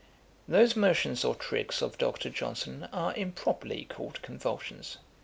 ] 'Those motions or tricks of Dr. Johnson are improper'y called convulsions.